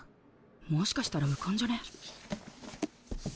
もしかしたら受かんじゃねぇ？